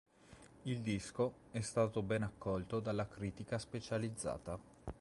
Il disco è stato ben accolto della critica specializzata.